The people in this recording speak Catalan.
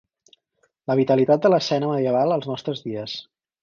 La vitalitat de l'escena medieval als nostres dies.